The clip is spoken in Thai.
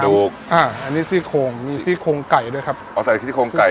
ถูกอ่าอันนี้ซี่โคงมีซี่โครงไก่ด้วยครับอ๋อใส่ซี่โครงไก่